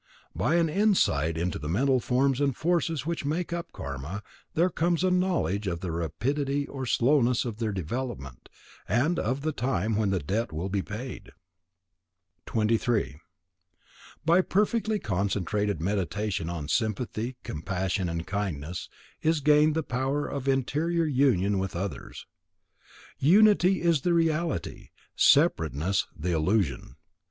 By an insight into the mental forms and forces which make up Karma, there comes a knowledge of the rapidity or slowness of their development, and of the time when the debt will be paid. 23. By perfectly concentrated Meditation on sympathy, compassion and kindness, is gained the power of interior union with others. Unity is the reality; separateness the illusion.